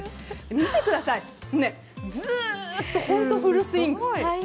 見てくださいずっとフルスイング。